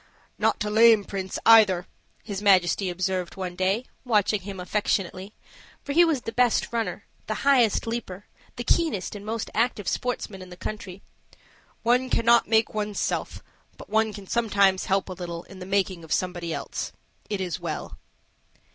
"Not a lame prince, either," his Majesty observed one day, watching him affectionately; for he was the best runner, the highest leaper, the keenest and most active sportsman in the country. "One cannot make one's self, but one can sometimes help a little in the making of somebody else. It is well."